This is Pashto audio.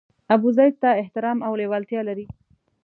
ابوزید ته احترام او لېوالتیا لري.